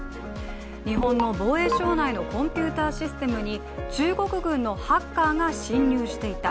日本の防衛省内のコンピューターシステムに中国軍のハッカーが侵入していた。